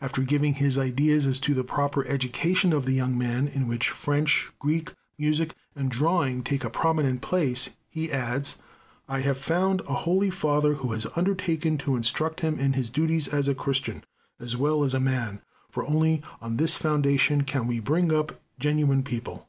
After giving his ideas as to the proper education of the young man, in which French, Greek, music and drawing take a prominent place, he adds, "I have found a holy father who has undertaken to instruct him in his duties as a Christian, as well as a man, for only on this foundation can we bring up genuine people."